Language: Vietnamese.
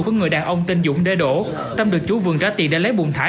của người đàn ông tên dũng đê đỗ tâm được chú vườn rá tiền để lấy bùng thải